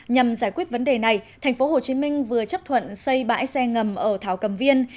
nhằm giải quyết vấn đề này thành phố hồ chí minh vừa chấp thuận xây bãi xe ngầm ở thảo cầm viên